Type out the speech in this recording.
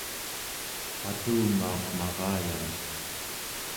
patumauq marayamek